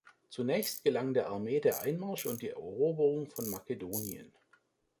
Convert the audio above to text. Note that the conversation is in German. Zunächst gelang der Armee der Einmarsch und die Eroberung von Makedonien.